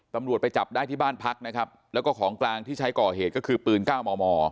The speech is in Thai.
ตำรวจไปจับได้ที่บ้านพักนะครับแล้วก็ของกลางที่ใช้ก่อเหตุก็คือปืน๙มม